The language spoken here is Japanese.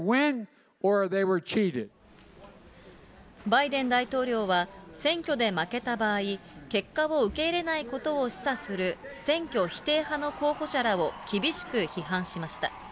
バイデン大統領は、選挙で負けた場合、結果を受け入れないことを示唆する選挙否定派の候補者らを厳しく批判しました。